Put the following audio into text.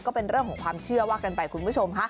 ก็เป็นเรื่องของความเชื่อว่ากันไปคุณผู้ชมค่ะ